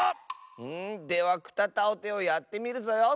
では「くたたをて」をやってみるぞよ。